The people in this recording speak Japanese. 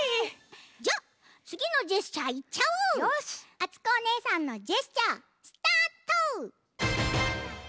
あつこおねえさんのジェスチャースタート。